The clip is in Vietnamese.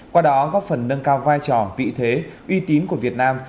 qua đó góp phần nâng cao vai trò vị thế uy tín của việt nam